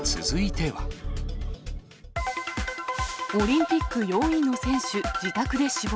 オリンピック４位の選手、自宅で死亡。